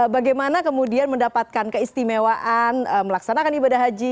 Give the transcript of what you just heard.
bagaimana kemudian mendapatkan keistimewaan melaksanakan ibadah haji